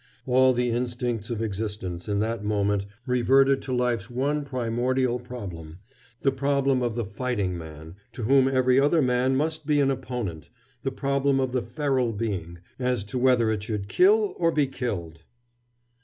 All the instincts of existence, in that moment, reverted to life's one primordial problem, the problem of the fighting man to whom every other man must be an opponent, the problem of the feral being, as to whether it should kill or be killed.